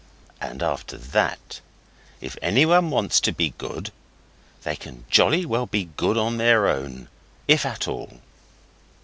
And after that, if anyone wants to be good they can jolly well be good on our own, if at all.